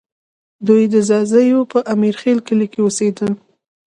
دوی د ځاځیو په امیرخېل کلي کې اوسېدل